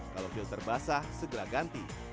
kalau filter basah segera ganti